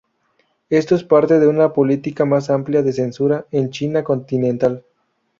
Esto es parte de una política más amplia de censura en China continental.